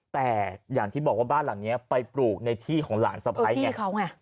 แต่อย่างที่บอกว่าบ้านหลังนี้ไปปลูกในที่ของหลานสะพ้ายไง